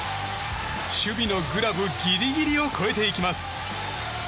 守備のグラブギリギリを越えていきます。